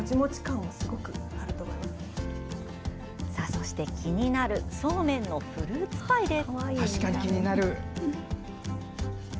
そして、気になるそうめんのフルーツパイです。